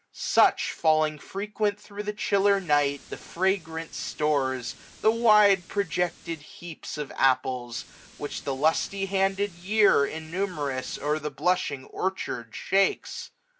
6^^ Such, falling frequent thro' the chiller night, The fragrant stores, the wide projected heaps Of apples, which the lusty handed year, Innumerous, o'er the blushing orchard shakes.